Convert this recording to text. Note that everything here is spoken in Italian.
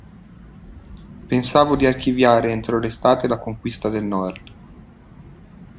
Pensavo di archiviare entro l'estate la conquista del Nord.